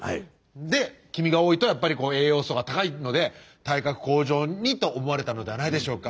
で黄身が多いとやっぱり栄養素が高いので体格向上にと思われたのではないでしょうか。